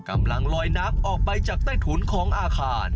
กำลังลอยน้ำออกไปจากใต้ถุนของอาคาร